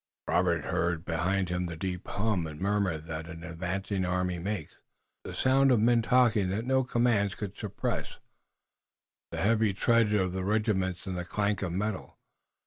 Robert heard behind him the deep hum and murmur that an advancing army makes, the sound of men talking that no commands could suppress, the heavy tread of the regiments and the clank of metal.